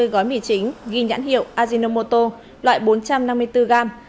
một trăm hai mươi gói mì chính ghi nhãn hiệu ajinomoto loại bốn trăm năm mươi bốn gram